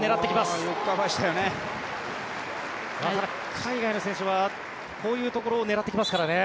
海外の選手はこういうところを狙ってきますからね。